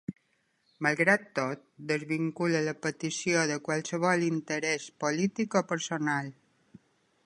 Malgrat tot, desvincula la petició de qualsevol interès polític o personal.